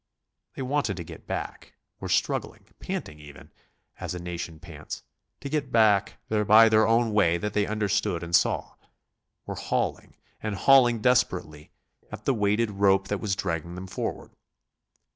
They wanted to get back, were struggling, panting even as a nation pants to get back by their own way that they understood and saw; were hauling, and hauling desperately, at the weighted rope that was dragging them forward.